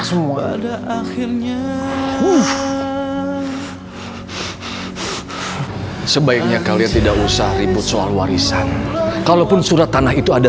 semua ada akhirnya sebaiknya kalian tidak usah ribut soal warisan kalaupun surat tanah itu ada